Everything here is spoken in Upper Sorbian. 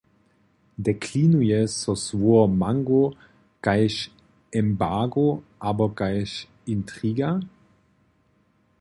Deklinuje so słowo mango kaž embargo abo kaž intriga?